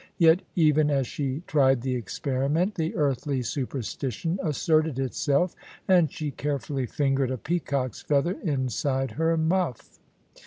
Yet, even as she tried the experiment, the earthly superstition asserted itself, and she carefully fingered a peacock's feather inside her muff.